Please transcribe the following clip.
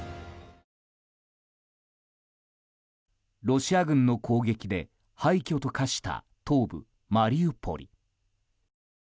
ロシア軍の攻撃で廃虚と化した東部マリウポリ。